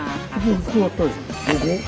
どこ？